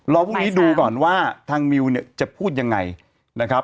รอพวกนี้ดูก่อนว่าทางมิวจะพูดยังไงนะครับ